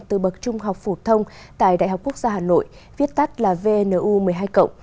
từ bậc trung học phổ thông tại đại học quốc gia hà nội viết tắt là vnu một mươi hai